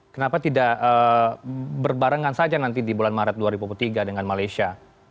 kenapa tidak berbarengan saja nanti di bulan maret dua ribu tiga dengan malaysia